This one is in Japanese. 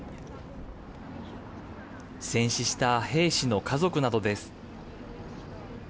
戦死した兵士の家族などです。